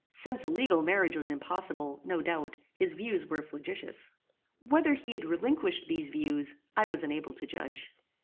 Since a legal marriage was impossible, no doubt, his views were flagitious. Whether he had relinquished these views I was unable to judge.